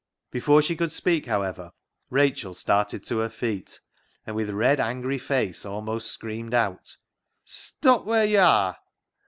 Before she could speak, however, Rachel started to her feet, and with red angry face almost screamed out —" Stop wheer yo' are